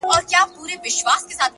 زما زړه هم افغانستان سو نه جوړېږي اشنا_